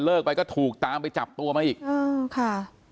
เลิกไปก็ถูกตามไปจับตัวมาอีกเออค่ะ